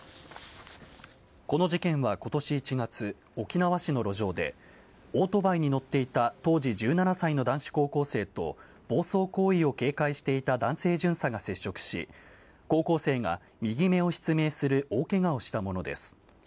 この事件は今年１月沖縄市の路上でオートバイに乗っていた当時１７歳の男子高校生と暴走行為を警戒していた男性巡査が接触し高校生が右目を失明する大ケガをしたものです。